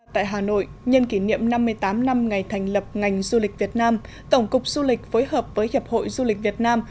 tại hà nội nhân kỷ niệm năm mươi tám năm ngày thành lập ngành du lịch việt nam tổng cục du lịch phối hợp với hiệp hội du lịch việt nam